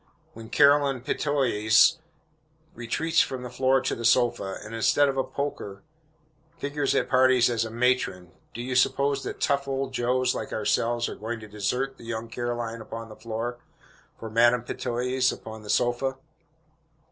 When Caroline Pettitoes retreats from the floor to the sofa, and, instead of a "polker," figures at parties as a matron, do you suppose that "tough old Joes" like ourselves are going to desert the young Caroline upon the floor, for Madame Pettitoes upon the sofa?